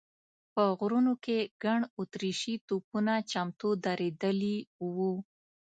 په غرونو کې ګڼ اتریشي توپونه چمتو ودرېدلي و.